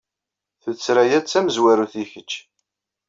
Tuttra-a tamezwarut i kečč.